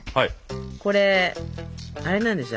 これあれなんですよ